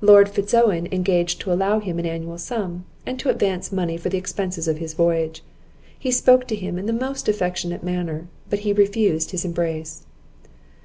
Lord Fitz Owen engaged to allow him an annual sum, and to advance money for the expences of his voyage. He spoke to him in the most affectionate manner, but he refused his embrace.